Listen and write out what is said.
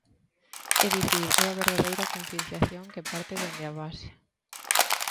É dicir, é a verdadeira concienciación que parte dende a base.